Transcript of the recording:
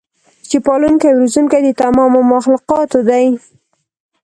چې پالونکی او روزونکی د تمامو مخلوقاتو دی